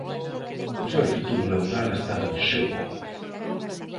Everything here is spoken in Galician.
O seu futuro laboral estaba en xogo.